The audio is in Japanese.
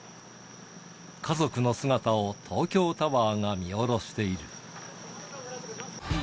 家族の姿を東京タワーが見下ろしている。